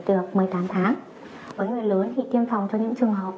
với người lớn thì tiêm phòng cho những trường hợp